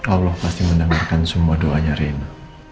allah pasti mendengarkan semua doanya rina